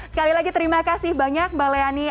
sekali lagi terima kasih banyak mbak leani